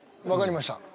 分かりました。